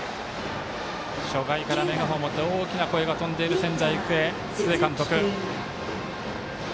初回からメガホンを持って大きな声が飛んでいる仙台育英、須江監督。